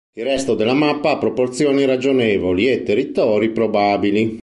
Il resto della mappa ha proporzioni ragionevoli e territori probabili.